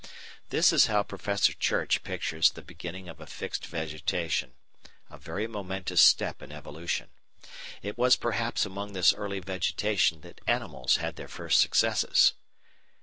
This is how Professor Church pictures the beginning of a fixed vegetation a very momentous step in evolution. It was perhaps among this early vegetation that animals had their first successes.